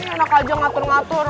enak aja ngatur ngatur